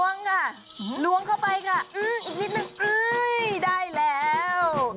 ล้วงเข้าไปค่ะอีกนิดนึงได้แล้ว